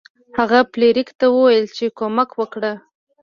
هغه فلیریک ته وویل چې کومک وکړه.